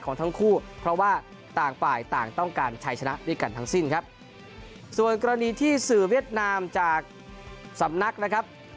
ทั้งคู่เพราะว่าต่างฝ่ายต่างต้องการใช้ชนะด้วยกันทั้งสิ้นครับส่วนกรณีที่สื่อเวียดนามจากสำนักนะครับ